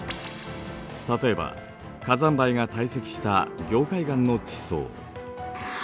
例えば火山灰が堆積した凝灰岩の地層。